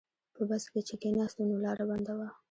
په بس کې چې کیناستو نو لاره بنده وه.